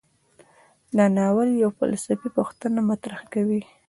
دا ناول یوه فلسفي پوښتنه مطرح کوي.